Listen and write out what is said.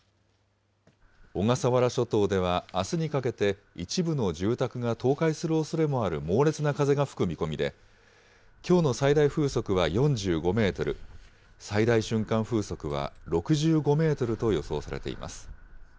小笠原諸島では、あすにかけて一部の住宅が倒壊するおそれもある猛烈な風が吹く見込みで、きょうの最大風速は４５メートル、最大瞬間風速は６５メートルと予想されています。